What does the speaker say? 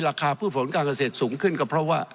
ราคาผู้ผลการเกษตรสูงขึ้นก็เพราะว่า